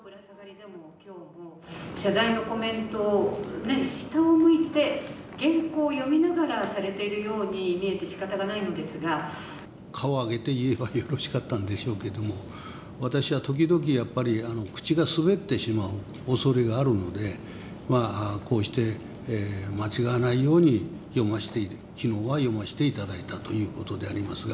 謝罪のコメントを下を向いて原稿を読みながらされているよう顔を上げて言えばよろしかったんでしょうけれども、私はときどきやっぱり、口が滑ってしまうおそれがあるので、こうして間違わないように読ませて、きのうは読ませていただいたということでありますが。